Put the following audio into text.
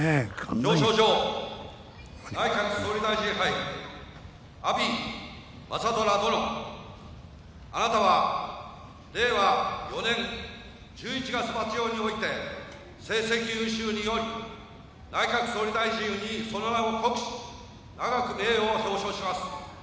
表彰状内閣総理大臣杯阿炎政虎殿あなたは令和４年十一月場所において成績優秀により内閣総理大臣杯にその名を刻し永く名誉を表彰します